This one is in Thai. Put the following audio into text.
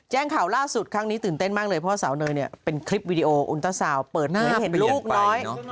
แจ้งข่าวล่าสุดครั้งนี้ตื่นเต้นมากเลยเพราะว่าสาวเนยเนี่ยเป็นคลิปวิดีโออุต้าสาวเปิดหน้าให้เห็นลูกน้อย